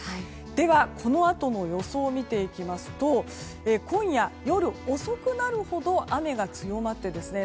では、このあとの予想を見ていきますと今夜、夜遅くにあるほど雨が強まってですね